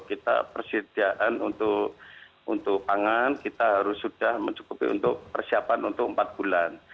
kita persediaan untuk pangan kita harus sudah mencukupi untuk persiapan untuk empat bulan